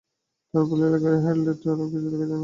তাঁরা বলেন, গাড়ির হেডলাইট ছাড়া কিছু দেখা যায় না।